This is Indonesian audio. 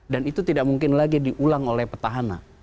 dan itu tidak mungkin lagi diulang oleh petahana